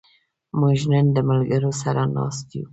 موږ نن د ملګرو سره ناست یو.